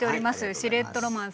「シルエット・ロマンス」